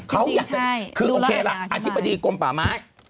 จริงใช่ดูร่างกายใช่ไหมครับคือโอเคละอธิบดีกลมป่าไม้